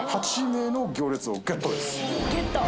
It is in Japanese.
８名の行列をゲットですゲット！